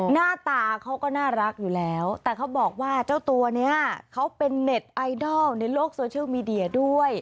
หน้าตาเขาก็น่ารักอยู่แล้วแต่เขาบอกว่าเจ้าตัวนี้เขาเป็นเน็ตไอดอลในโลกโซเชียลมีเดียด้วย